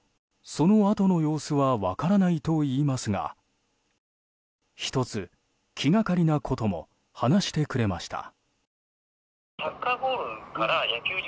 そのあとの様子は分からないといいますが１つ気がかりなことも話してくれました。